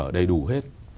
đầy đủ hết